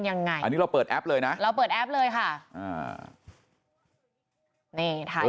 ยังไงอันนี้เราเปิดแอปเลยนะเราเปิดแอปเลยค่ะอ่านี่ถ่าย